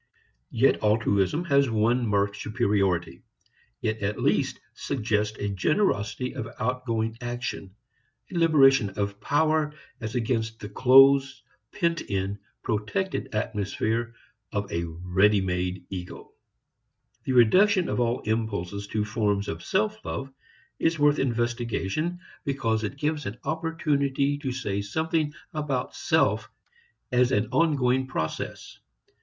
Yet altruism has one marked superiority; it at least suggests a generosity of outgoing action, a liberation of power as against the close, pent in, protected atmosphere of a ready made ego. The reduction of all impulses to forms of self love is worth investigation because it gives an opportunity to say something about self as an ongoing process.